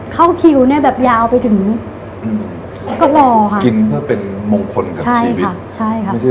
เข้าคิวแย์ไปถึงรอ